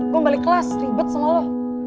lo balik kelas ribet semua lo